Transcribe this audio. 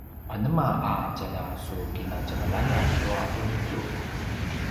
anema a tjaljasukinatjenglayan tua ’undu?